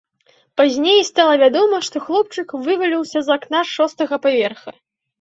Пазней стала вядома, што хлопчык вываліўся з акна шостага паверха.